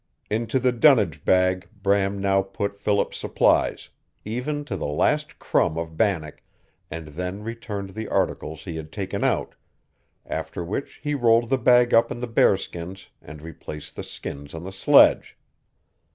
Into the dunnage bag Bram now put Philip's supplies, even to the last crumb of bannock, and then returned the articles he had taken out, after which he rolled the bag up in the bear skins and replaced the skins on the sledge.